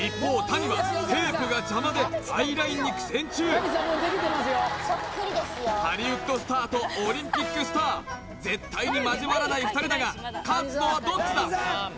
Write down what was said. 谷はテープが邪魔でアイラインに苦戦中ハリウッドスターとオリンピックスター絶対に交わらない２人だが勝つのはどっちだ？